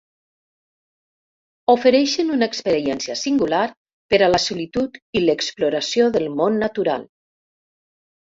Ofereixen una experiència singular per a la solitud i l'exploració del món natural.